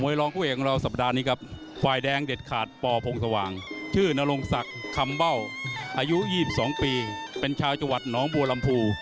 รองผู้เอกของเราสัปดาห์นี้ครับฝ่ายแดงเด็ดขาดปพงสว่างชื่อนรงศักดิ์คำเบ้าอายุ๒๒ปีเป็นชาวจังหวัดหนองบัวลำพู